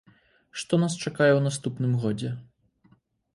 Што нас чакае ў наступным годзе?